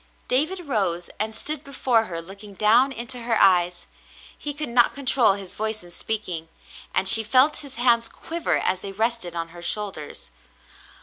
^' David rose and stood before her looking down into her eyes. He could not control his voice in speaking, and she felt his hands quiver as they rested on her shoulders.